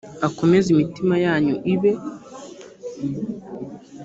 akomeze imitima yanyu ibe